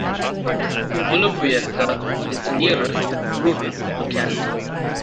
Volobuyevka is the nearest rural locality.